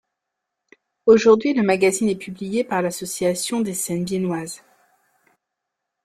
Aujourd'hui le magazine est publié par l'association des scènes viennoises.